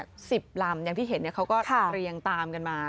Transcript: ค่ะเค้าก็ล่องกันมา๑๐ลำอย่างที่เห็นเนี่ยเค้าก็เรียงตามกันมา